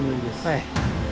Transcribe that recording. はい。